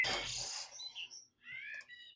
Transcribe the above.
Tiene tres hermanas mayores y una más pequeña.